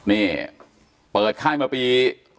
อ๋อนี่เปิดค่ายมาปี๒๐๑๖